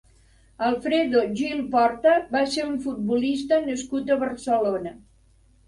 Alfredo Gil Porta va ser un futbolista nascut a Barcelona.